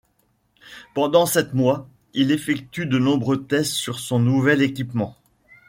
Pendant sept mois, il effectue de nombreux tests sur son nouvel équipement.